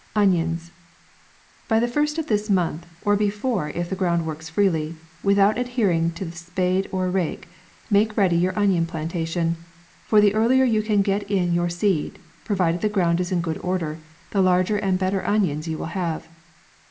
ONIONS. By the first of this month, or before if the ground works freely, without adhering to the spade or rake, make ready your onion plan tation ; for the earlier you can ^,et in your seed, provided the ground is in ^«>od order, the larger and better onions you will lime.